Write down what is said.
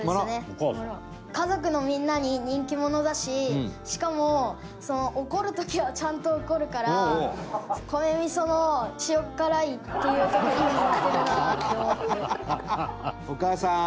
家族のみんなに人気者だししかもその怒る時はちゃんと怒るから米味噌の塩っ辛いっていうところが似てるなって思って。